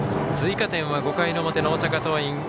追加点は５回の表の大阪桐蔭。